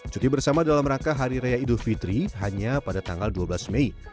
cuti bersama dalam rangka hari raya idul fitri hanya pada tanggal dua belas mei